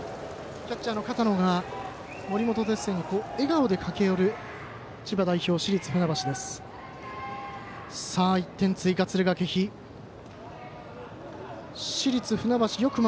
キャッチャーの片野が森本哲星に笑顔で駆け寄る千葉代表、市立船橋です。